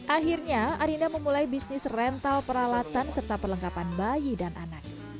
akhirnya arinda memulai bisnis rental peralatan serta perlengkapan bayi dan anak